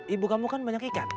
ibu kamu kan banyak ikan